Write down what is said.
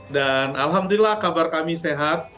dan alhamdulillah kabar kami sehat